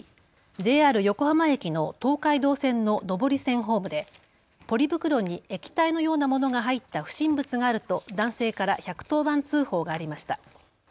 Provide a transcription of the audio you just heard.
ＪＲ横浜駅の東海道線の上り線ホームでポリ袋に液体のようなものが入った不審物があると男性から１１０番通報がありました。